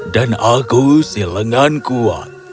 dan aku silengan kuat